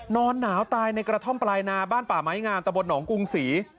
นอนหนาวตายในกระท่อมปลายนาบ้านป่าไม้งามตะบนหนองกรุงศรี